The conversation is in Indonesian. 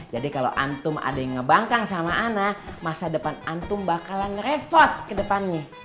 jadi kalau antum ada yang ngebangkang sama ana masa depan antum bakalan revot ke depannya